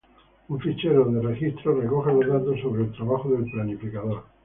Un fichero de registro recoge los datos sobre el trabajo del planificador.